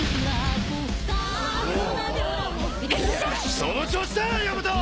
その調子だ大和！